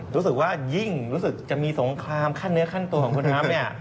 รู้สึกว่ายิ่งรู้สึกจะมีสงครามขั้นเนื้อขั้นตัวของคุณน้ำเนี่ย